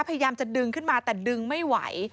พยายามจะดึงขึ้นมาแต่ดึงไม่ไหว